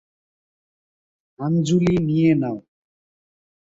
আঞ্জলি নিয়ে নাও।